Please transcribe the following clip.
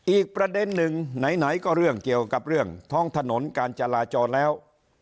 อีกประเด็นหนึ่งไหนก็เรื่องเกี่ยวกับเรื่องท้องถนนการจราจรแล้ว